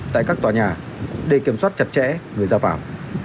tại các tòa nhà để kiểm soát chặt chẽ người giao phạm